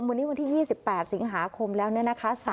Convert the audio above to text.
วันนี้วันที่๒๘สิงหาคมแล้วเนี่ยนะคะ